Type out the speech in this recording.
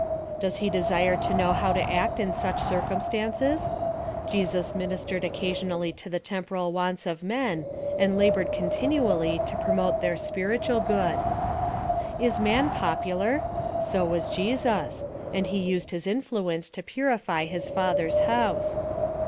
Does he desire to know how to act in such circumstances ? Jesus ministered occasion ally to the temporal wants of men, and labored con tinually to promote their spiritual good. Is man popular ? So was Jesus ; and he used his influence to purify his Father's house.